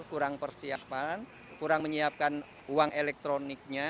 kurang persiapan kurang menyiapkan uang elektroniknya